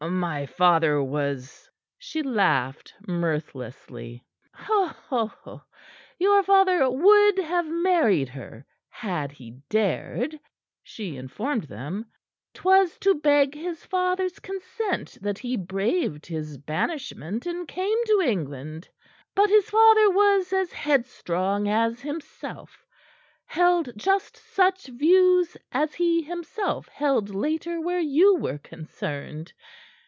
My father was " She laughed mirthlessly. "Your father would have married her had he dared," she informed them. "'Twas to beg his father's consent that he braved his banishment and came to England. But his father was as headstrong as himself; held just such views as he, himself, held later where you were concerned.